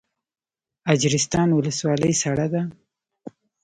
اجرستان ولسوالۍ سړه ده؟